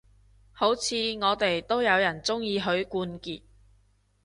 好似我哋都有人鍾意許冠傑